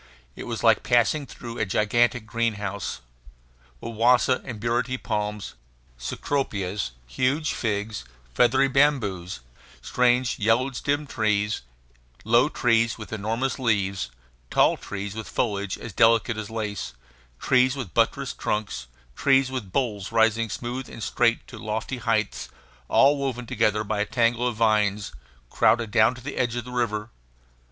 It was like passing through a gigantic greenhouse. Wawasa and burity palms, cecropias, huge figs, feathery bamboos, strange yellow stemmed trees, low trees with enormous leaves, tall trees with foliage as delicate as lace, trees with buttressed trunks, trees with boles rising smooth and straight to lofty heights, all woven together by a tangle of vines, crowded down to the edge of the river.